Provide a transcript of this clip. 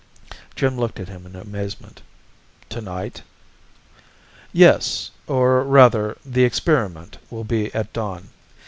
Jim looked at him in amazement. "To night?" "Yes. Or rather, the experiment will be at dawn.